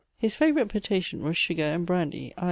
His favourite potation was sugar and brandy, i.